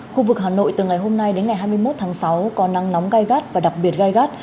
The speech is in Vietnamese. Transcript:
khu vực hà nội từ ngày hôm nay đến ngày hai mươi một tháng sáu có nắng nóng gai gắt và đặc biệt gai gắt